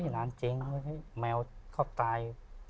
เฮ้ยร้านเจ๋งเฮ้ยแมวเขาตาย